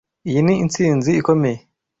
Iyi ni intsinzi ikomeye.